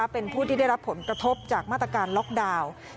เป็นผู้ที่ได้รับผลกระทบจากมาตรการล็อกดาวน์